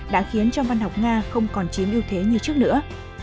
đã khiến cho văn học nga không còn chiếm ưu thế như trước nữa